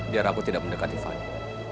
biar aku tidak mendekati fanny